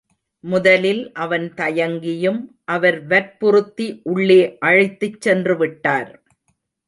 முதலில் அவன் தயங்கியும் அவர் வற்புறுத்தி உள்ளே அழைத்துச் சென்றுவிட்டார்.